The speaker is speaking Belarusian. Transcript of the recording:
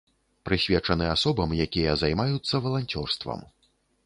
Прысвечаны асобам, якія займаюцца валанцёрствам.